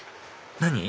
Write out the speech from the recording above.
何？